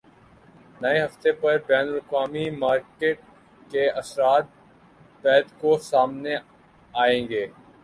نئے ہفتے پر بین الاقوامی مارکیٹ کے اثرات پیر کو سامنے آئیں گے